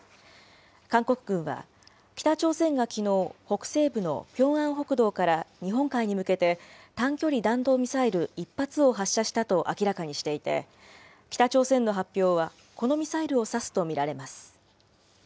韓国軍は、北朝鮮がきのう、北西部のピョンアン北道から日本海に向けて、短距離弾道ミサイル１発を発射したと明らかにしていて、北朝鮮の発表はこのミサイルを指すと見られます。